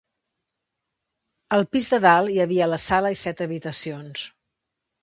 Al pis de dalt hi havia la sala i set habitacions.